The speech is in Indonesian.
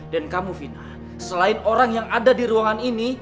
dan kamu vina selain orang yang ada di ruangan ini